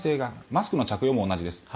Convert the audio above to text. マスクの着用も同じです。